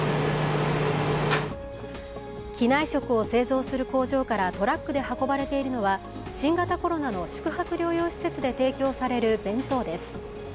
機内食を製造する工場からトラックで運ばれているのは新型コロナの宿泊療養施設で提供される弁当です。